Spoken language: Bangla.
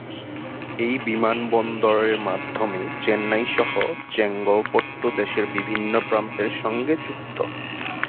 এই বিমান বন্দরের মাধ্যমে চেন্নাই সহ চেঙ্গলপট্টু দেশের বিভিন্ন প্রান্তের সঙ্গে যুক্ত।